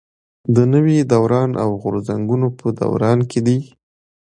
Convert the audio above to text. د نوي دوران او غورځنګونو په دوران کې دي.